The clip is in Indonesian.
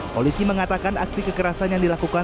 polisi mengatakan aksi kekerasan yang dilakukan